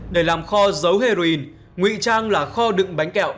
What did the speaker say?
để làm kho giấu heroin nguy trang là kho đựng bánh kẹo